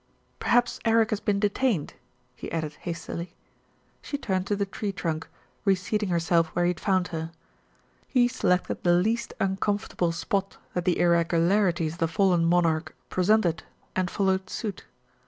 "Perhaps Eric has been detained," he added hastily. She turned to the tree trunk, reseating herself where he had found her. He selected the least uncomfortable spot that the irregularities of the fallen monarch presented, and followed suit.